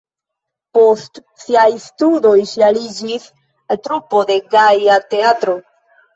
Post siaj studoj ŝi aliĝis al trupo de Gaja Teatro.